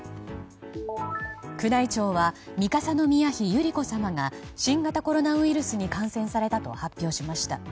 宮内庁は三笠宮妃百合子さまが新型コロナウイルスに感染されたと発表しました。